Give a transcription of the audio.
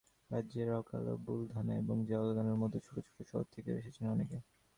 রাজ্যের আকোলা, বুলধানা এবং জালগাওনের মতো ছোট ছোট শহর থেকেও এসেছেন অনেকে।